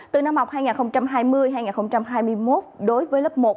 từ năm học hai nghìn hai mươi hai nghìn hai mươi một đối với lớp một